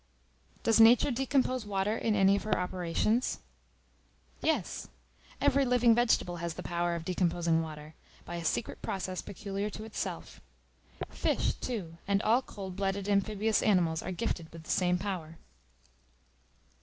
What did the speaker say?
Does Nature decompose Water in any of her operations? Yes: every living vegetable has the power of decomposing water, by a secret process peculiar to itself. Fish, too, and all cold blooded amphibious animals are gifted with the same power.